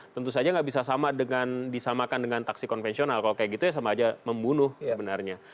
tentu saja nggak bisa sama dengan disamakan dengan taksi konvensional kalau kayak gitu ya sama aja membunuh sebenarnya